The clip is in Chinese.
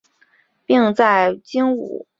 并在精武体育会厦门分会与英华中学教武术。